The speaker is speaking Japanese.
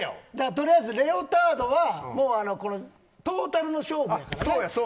とりあえず、レオタードはトータルの勝負やからね。